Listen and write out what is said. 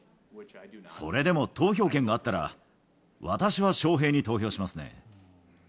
それでも投票権があったら、私はショウヘイに投票しますね。